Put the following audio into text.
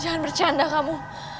jangan bercanda kamu